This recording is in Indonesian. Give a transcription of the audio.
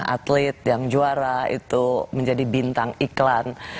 atlet yang juara itu menjadi bintang iklan